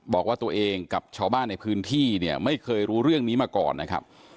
บอกว่าตัวเองกับชาวบ้านในพื้นที่เนี่ยไม่เคยรู้เรื่องนี้มาก่อนนะครับ